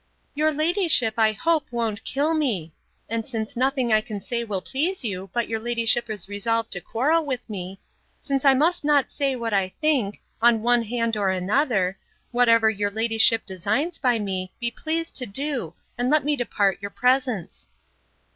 Your ladyship, I hope, won't kill me: And since nothing I can say will please you, but your ladyship is resolved to quarrel with me; since I must not say what I think, on one hand nor another; whatever your ladyship designs by me, be pleased to do, and let me depart your presence!